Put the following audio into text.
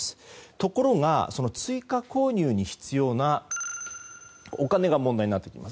ところが、追加購入に必要なお金が問題になってきます。